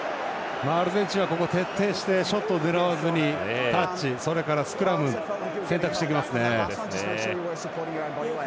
アルゼンチンはここ徹底してショットを狙わずにタッチ、それからスクラム選択してきますね。